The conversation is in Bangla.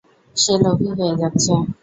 সে লোভী হয়ে যাচ্ছে।